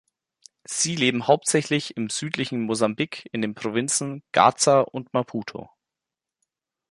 Sie leben hauptsächlich im südlichen Mosambik in den Provinzen Gaza und Maputo.